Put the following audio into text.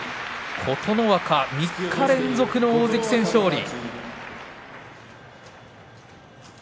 琴ノ若、３日連続の大関戦勝利です。